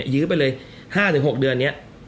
ยื้อไปเลย๕๖เดือนนี้